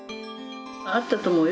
あったと思うよ